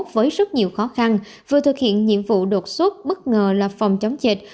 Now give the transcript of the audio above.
với rất nhiều khó khăn vừa thực hiện nhiệm vụ đột xuất bất ngờ là phòng chống dịch